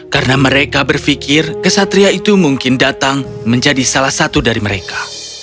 karena mereka berpikir kesatria itu mungkin datang menjadi salah satu dari mereka